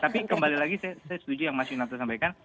tapi kembali lagi saya setuju yang mas yunanto sampaikan